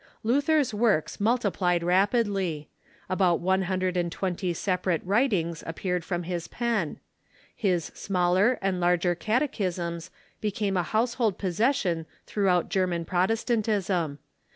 Luther's works multiplied rapidly. About one hundred and twenty separate Avritings appeared from his pen. His Smaller LUTHER : LABORS AND CHARACTER 225 and Larger Catechisms became a household possession through out German Protestantism.